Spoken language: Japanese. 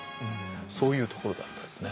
そういうところだったですね。